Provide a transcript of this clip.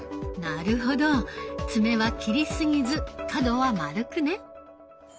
なるほど爪は切りすぎず角は丸くね。